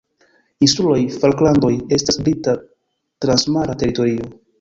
Insuloj Falklandoj estas Brita transmara teritorio.